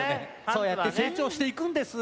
そうやってせいちょうしていくんです。